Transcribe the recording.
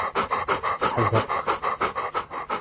Teḥdeq.